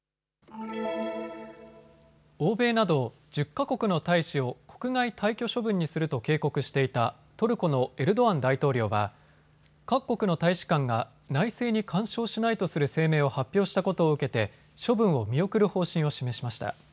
欧米など１０か国の大使を国外退去処分にすると警告していたトルコのエルドアン大統領は各国の大使館が内政に干渉しないとする声明を発表したことを受けて処分を見送る方針を示しました。